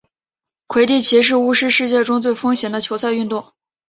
魁地奇是巫师世界中最风行的球赛运动。